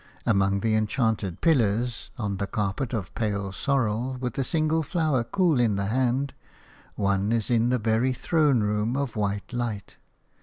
Among the enchanted pillars, on the carpet of pale sorrel, with a single flower cool in the hand, one is in the very throne room of white light.